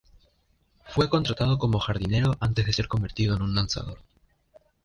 Fue contratado como jardinero antes de ser convertido en un lanzador.